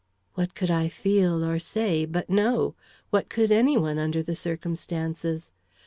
What could I feel or say but No? What could any one, under the circumstances?